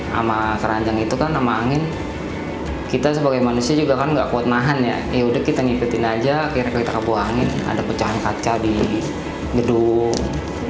sama k tiga itu kan sama angin kita sebagai manusia juga kan enggak kuat nahan ya ya udah kita ngipetin aja kira kira kita ke bawah angin ada pecahan kaca di gedung